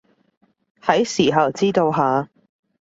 喺時候知道下